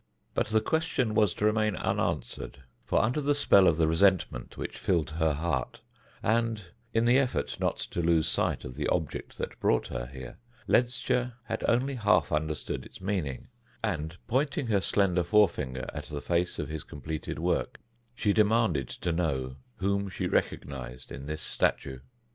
But the question was to remain unanswered, for under the spell of the resentment which filled her heart, and in the effort not to lose sight of the object that brought her here, Ledscha had only half understood its meaning, and pointing her slender forefinger at the face of his completed work, she demanded to know whom she recognised in this statue.